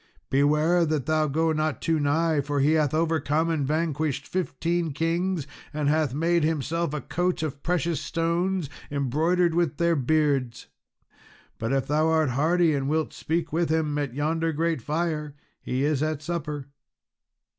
Beware that thou go not too nigh, for he hath overcome and vanquished fifteen kings, and hath made himself a coat of precious stones, embroidered with their beards; but if thou art hardy, and wilt speak with him, at yonder great fire he is at supper."